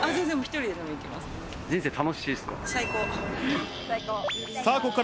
人生楽しいですか？